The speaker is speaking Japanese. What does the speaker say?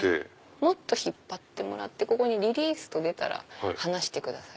もっと引っ張ってもらってここにリリースと出たら離してください。